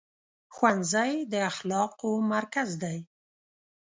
ښوونځی د اخلاقو مرکز دی.